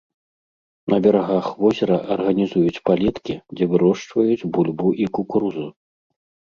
На берагах возера арганізуюць палеткі, дзе вырошчваюць бульбу і кукурузу.